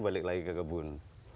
balik lagi ke kebun